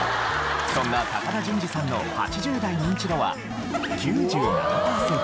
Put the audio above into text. そんな高田純次さんの８０代ニンチドは９７パーセント。